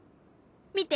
見て！